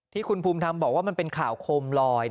ที่คุณภูมิธรรมบอกว่ามันเป็นข่าวโคมลอย